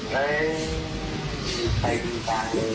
ได้ไปที่อีสานเลย